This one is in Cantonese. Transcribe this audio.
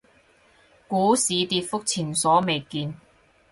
股市跌幅前所未見